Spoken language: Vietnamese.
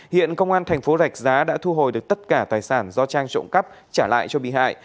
hiện công an thành phố rạch giá đã thu hồi được tất cả tài sản do trang trộm cắp trả lại cho bị hại